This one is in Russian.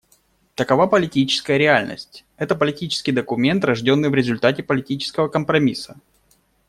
Такова политическая реальность: это политический документ, рожденный в результате политического компромисса.